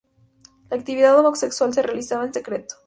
La actividad homosexual se realizaba en secreto.